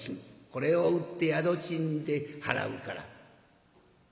これを売って宿賃で払うから」。